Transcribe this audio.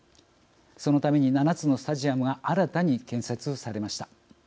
そのために７つのスタジアムが新たに建設されました。